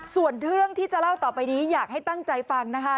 ส่วนเรื่องที่จะเล่าต่อไปนี้อยากให้ตั้งใจฟังนะคะ